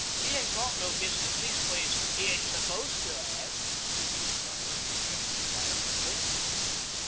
'He ain't got no missis; leastways, 'e ain't supposed to 'ave,' the Wheel Driver interjected triumphantly.